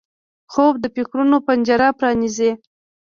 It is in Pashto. خوب د فکرونو پنجره پرانیزي